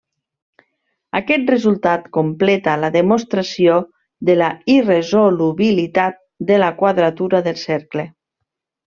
Aquest resultat completa la demostració de la irresolubilitat de la quadratura del cercle.